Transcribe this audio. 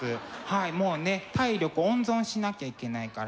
はいもうね体力温存しなきゃいけないから。